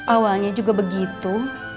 awalnya juga begitu